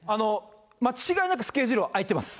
間違いなくスケジュールは空いてます。